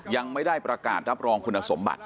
ยังไม่ได้ประกาศรับรองคุณสมบัติ